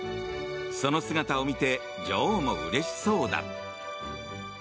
その姿を見て女王もうれしそうだ。